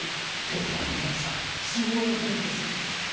平家はこの戦死に物狂いで攻めてきます。